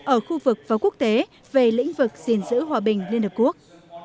ở khu vực và quốc tế về lĩnh vực gìn giữ hòa bình liên hợp quốc